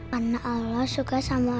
karena allah suka sama orang lainnya